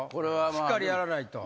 しっかりやらないと。